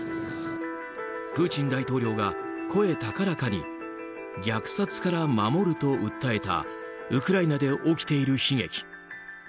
プーチン大統領が声高らかに虐殺から守ると訴えたウクライナで起きている悲劇。